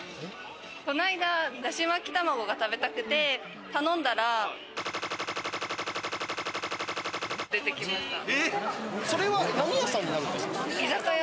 こないだ出汁巻き卵が食べたくて、頼んだら出てきました。